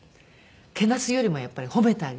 けなすよりもやっぱり褒めてあげる。